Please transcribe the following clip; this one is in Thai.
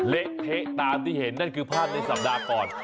เละเทะตามที่เห็นนั่นคือภาพในสัปดาห์ก่อน